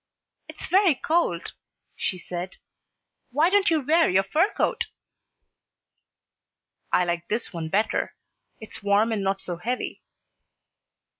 "It's very cold," she said. "Why don't you wear your fur coat?" "I like this one better. It's warm and not so heavy."